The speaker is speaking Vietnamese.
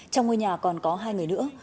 trong ngôi nhà còn có hai người nữa